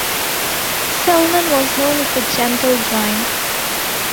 Selmon was known as The Gentle Giant.